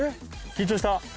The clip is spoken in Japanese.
緊張した？